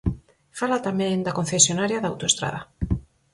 Fala tamén da concesionaria da autoestrada.